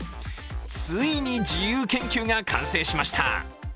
ついに自由研究が完成しました。